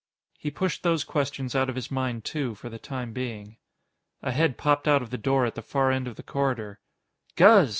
He pushed those questions out of his mind, too, for the time being. A head popped out of the door at the far end of the corridor. "Guz!